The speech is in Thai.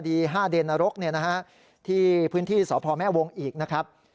๕เดนนรกที่พื้นที่สพแม่วงอีกนะครับ